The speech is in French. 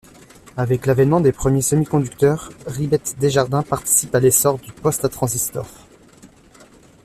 Avec l'avènement des premiers semi-conducteurs, Ribet Desjardin participe à l'essor du poste à transistors.